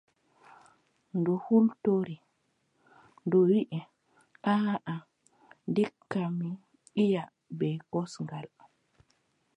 Ndu hultori. Ndu wiʼi: aaʼa ndikka mi iʼa bee kosngal.